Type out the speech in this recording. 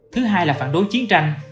thứ hai là phản đối chiến tranh